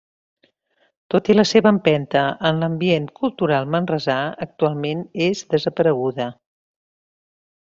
Tot i la seva empenta en l'ambient cultural manresà, actualment és desapareguda.